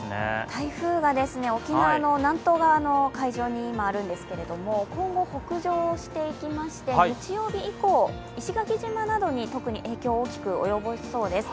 台風が沖縄の南東側の海上に今あるんですけども、今後、北上していきまして日曜日以降、石垣島などに特に影響を大きく及ぼしそうです。